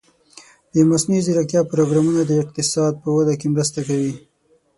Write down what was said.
د مصنوعي ځیرکتیا پروګرامونه د اقتصاد په وده کې مرسته کوي.